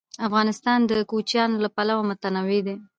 افغانستان د کوچیان له پلوه متنوع دی.